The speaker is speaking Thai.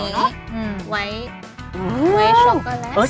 เอาลดนี้ไว้โชโกแลต